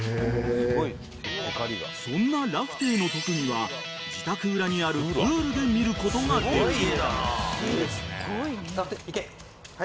［そんなラフテーの特技は自宅裏にあるプールで見ることができる］